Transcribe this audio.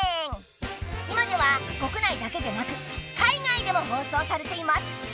いまではこくないだけでなく海外でも放送されています。